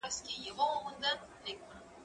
زه مخکي موټر کارولی و؟!